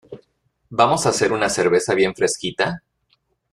¿Vamos a hacer una cerveza bien fresquita?